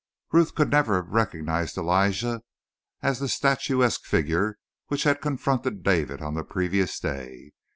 Ruth could never have recognized Elijah as the statuesque figure which had confronted David on the previous day.